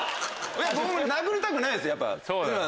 僕も殴りたくないですやっぱ。